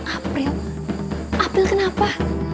april april kenapa